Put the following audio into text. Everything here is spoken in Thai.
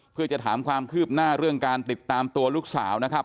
เพื่อจะถามความคืบหน้าเรื่องการติดตามตัวลูกสาวนะครับ